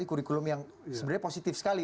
kurikulum yang sebenarnya positif sekali